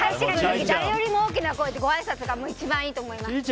誰よりも大きな声でごあいさつが一番いいと思います。